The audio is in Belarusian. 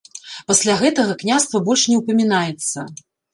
Пасля гэтага княства больш не ўпамінаецца.